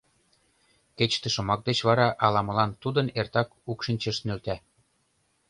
Кеч ты шомак деч вара ала-молан тудын эртак укшинчыш нӧлта.